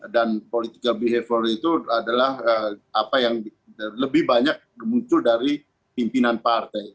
dan political behavior itu adalah apa yang lebih banyak muncul dari pimpinan partai